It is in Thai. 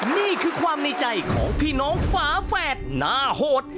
นี่คือความในใจของพี่น้องฝาแฝดหน้าโหด